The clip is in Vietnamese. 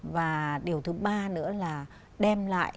và điều thứ ba nữa là đem lại